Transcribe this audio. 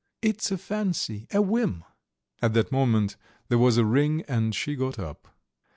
"It's a fancy, a whim!" At that moment there was a ring and she got up.